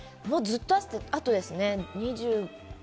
もう、ずっとあとですね。